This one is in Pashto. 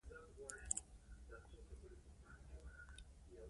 په افغانستان او اردن کې د ښځو د زده کړې وضعیت توپیر لري.